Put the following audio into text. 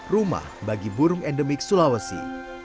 rumah bagi burung endemik sulawesi